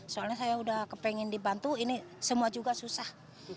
soalnya saya udah kepengen dibantu ini semua juga susah